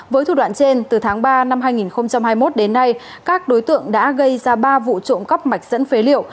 với thủ đoạn trên từ tháng ba năm hai nghìn hai mươi một đến nay các đối tượng đã gây ra ba vụ trộm cắp mạch dẫn phế liệu